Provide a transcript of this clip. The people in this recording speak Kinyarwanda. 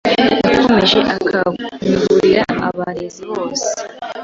Yakomeje akangurira abarezi bose